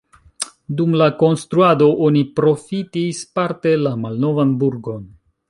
Dum la konstruado oni profitis parte la malnovan burgon.